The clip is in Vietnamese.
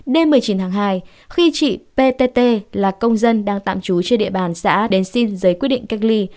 đêm một mươi chín tháng hai khi chị ptt là công dân đang tạm trú trên địa bàn xã đến xin giấy quyết định cách ly